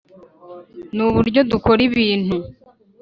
nuburyo dukora ibintu.